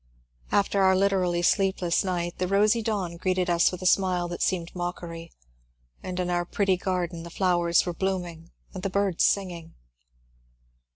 After our literally sleepless night the rosy dawn greeted us with a smile that seemed mockeiy, and in our pretty garden the flowers were blooming and the birds singing.